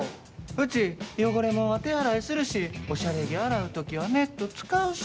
うち汚れもんは手洗いするしおしゃれ着洗う時はネット使うし。